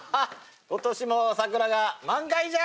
今年も桜が満開じゃ。